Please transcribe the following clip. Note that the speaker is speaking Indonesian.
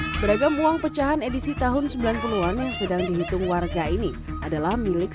hai beragam uang pecahan edisi tahun sembilan puluh an yang sedang dihitung warga ini adalah milik